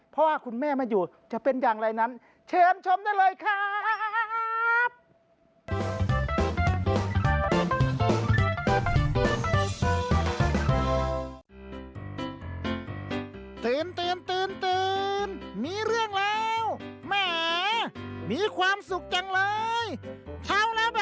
เพราะว่าคุณแม่มาอยู่จะเป็นอย่างไรนั้นเชิญชมได้เลยครับ